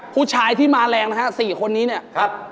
ผู้ชายที่มาแรงนะฮะ๔คนนี้เนี่ยครับ